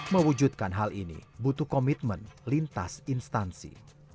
mewujudkan hal ini butuh komitmen lintas instansi